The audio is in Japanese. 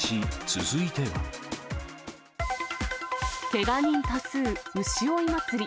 けが人多数、牛追い祭り。